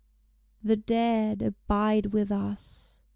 The dead abide with us!